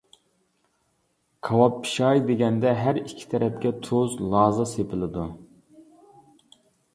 كاۋاپ پىشاي دېگەندە، ھەر ئىككى تەرەپكە تۇز، لازا سېپىلىدۇ.